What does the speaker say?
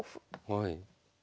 はい。